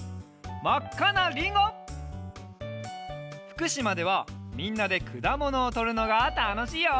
ふくしまではみんなでくだものをとるのがたのしいよ！